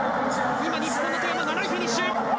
今、日本の外山、７位フィニッシュ。